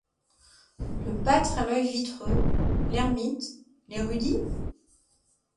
Le pâtre à l’œil vitreux, l’ermite, l’érudit ?